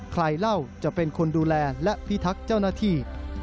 เล่าจะเป็นคนดูแลและพิทักษ์เจ้าหน้าที่